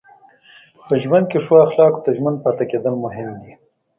په ژوند کې ښو اخلاقو ته ژمن پاتې کېدل مهم دي.